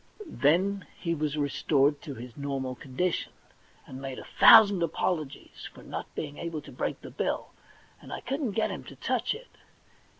Then he was restored to his normal condition, and made a thousand apologies for not being able to break the bill, and I couldn't get him to touch it.